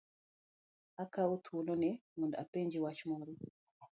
Akawo thuolo ni mondo apenji wach moro.